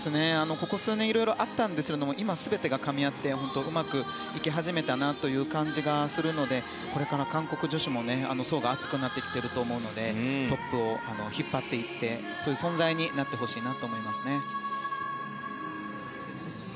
ここ数年色々あったんですけど今、全てがかみ合ってうまくいき始めたなという感じがするのでこれから韓国女子も層が厚くなってきていると思うのでトップを引っ張っていってそういう存在になってほしいなと思いますね。